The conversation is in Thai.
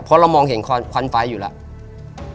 เพราะเรามองเห็นควันไฟอยู่แล้ว